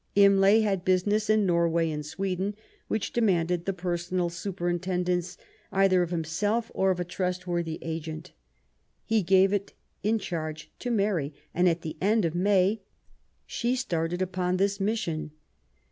Imlay had business in Norway and Sweden which demanded the personal superintendence either of himself or of a trustworthy agent. He gave it in charge to Mary, and at the end of May she started upon this mission.